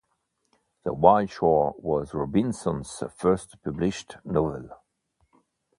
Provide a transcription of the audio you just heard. "The Wild Shore" was Robinson's first published novel.